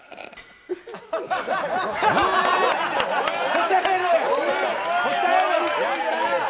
答えろ！